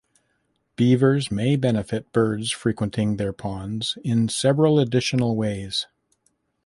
Beavers may benefit birds frequenting their ponds in several additional ways.